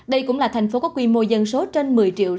đây cũng là thành phố có quy mô dân số trên một mươi triệu